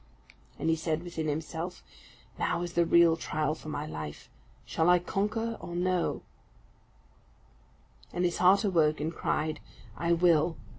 And he said within himself, "Now is the real trial for my life! Shall I conquer or no?" And his heart awoke and cried, "I will.